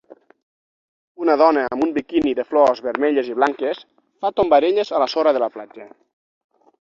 Una dona amb un biquini de flors vermelles i blanques fa tombarelles a la sorra de la platja.